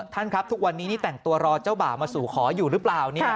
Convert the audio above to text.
ท่านครับทุกวันนี้นี่แต่งตัวรอเจ้าบ่าวมาสู่ขออยู่หรือเปล่า